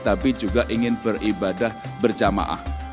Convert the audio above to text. tapi juga ingin beribadah berjamaah